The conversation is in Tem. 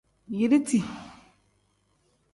Yiriti.